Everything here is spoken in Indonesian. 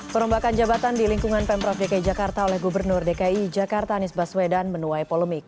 perombakan jabatan di lingkungan pemprov dki jakarta oleh gubernur dki jakarta anies baswedan menuai polemik